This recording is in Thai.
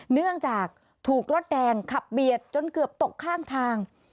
เนื่องจากถูกรถแดงขับเบียดจนเกือบตกข้างทาง